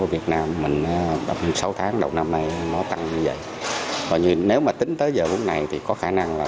việt nam mình sáu tháng đầu năm nay nó tăng như vậy nếu mà tính tới giờ của ngày thì có khả năng là